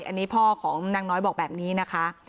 อันนี้พ่อของนางน้อยบอกแบบนี้นะคะ